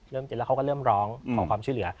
เสร็จแล้วเขาก็เริ่มร้องขอความช่วยเหลือ